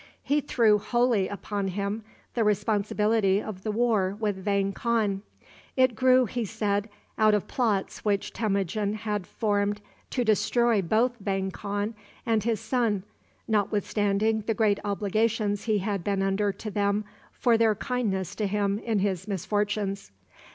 He threw wholly upon him the responsibility of the war with Vang Khan. It grew, he said, out of plots which Temujin had formed to destroy both Vang Khan and his son, notwithstanding the great obligations he had been under to them for their kindness to him in his misfortunes.